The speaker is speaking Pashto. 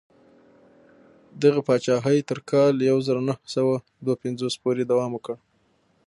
دغې پاچاهۍ تر کال یو زر نهه سوه دوه پنځوس پورې دوام وکړ.